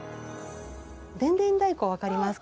でんでん太鼓分かりますか？